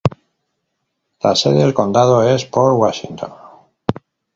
La sede del condado es Port Washington.